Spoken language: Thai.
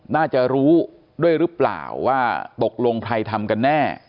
น่าจะรู้ด้วยหรือเปล่าว่าตกลงใครทำกันแน่